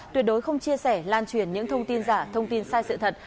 tuyệt đối không chia sẻ lan truyền những thông tin giả thông tin sai sự thật